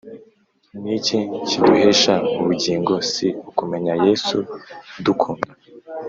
Niki kiduhesha ubungingo si ukumenya yesu udukunda